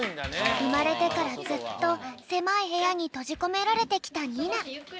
うまれてからずっとせまいへやにとじこめられてきたニナ。